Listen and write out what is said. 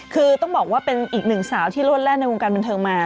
คือต้องบอกว่าเป็นอีกหนึ่งสาวที่รวดแร่ในวงการบันเทิงมา